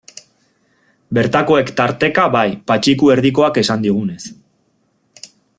Bertakoek, tarteka, bai, Patxiku Erdikoak esan digunez.